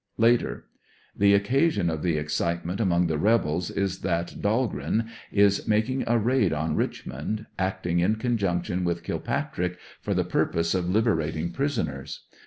Later: The occasion of the excitement among the rebels is that Dahlgreen is making a raid on Richmond, acting in conjunction w^ith Kilpatrick, for the purpose of liberating prisoners.